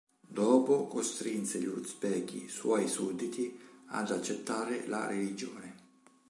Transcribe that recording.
Dopo costrinse gli uzbeki, suoi sudditi, ad accettare la religione.